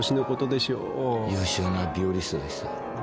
優秀なビオリストでした。